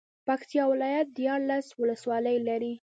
پکتيا ولايت ديارلس ولسوالۍ لري.